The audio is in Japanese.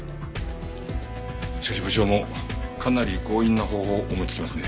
しかし部長もかなり強引な方法を思いつきますね。